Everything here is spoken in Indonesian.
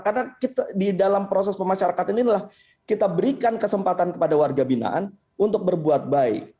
karena kita di dalam proses pemasyarakat ini adalah kita berikan kesempatan kepada warga binaan untuk berbuat baik